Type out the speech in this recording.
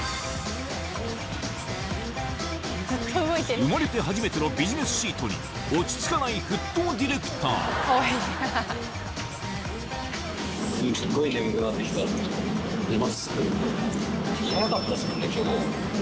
生まれて初めてのビジネスシートに落ち着かない沸騰ディレクター寝ます？